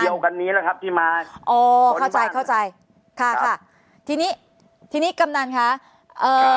เดียวกันนี้แหละครับที่มาอ๋อเข้าใจเข้าใจค่ะค่ะทีนี้ทีนี้กำนันคะเอ่อ